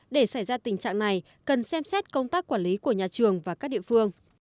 để xảy ra tình trạng này cần xem xét công tác quản lý của nhà trường và các địa phương